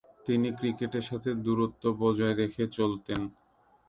তিনি ক্রিকেটের সাথে দূরত্ব বজায় রেখে চলতেন।